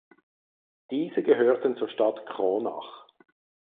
Diese gehörten zur Stadt Kronach.